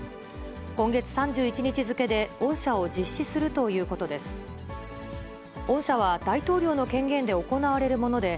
今月３１日付で恩赦を実施するということです。